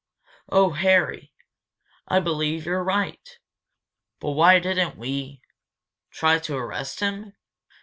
"Oh, Harry! I believe you're right! But why didn't we " "Try to arrest him?